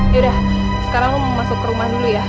yaudah sekarang aku mau masuk ke rumah dulu ya